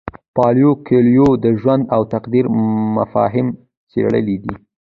پاولو کویلیو د ژوند او تقدیر مفاهیم څیړلي دي.